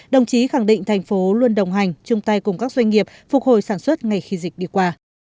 đồng chí khẳng định thành phố luôn đồng hành chung tay cùng các doanh nghiệp phục hồi sản xuất ngay khi dịch đi qua